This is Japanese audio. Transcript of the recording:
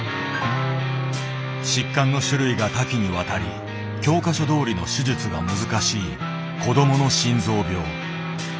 疾患の種類が多岐にわたり教科書どおりの手術が難しい子どもの心臓病。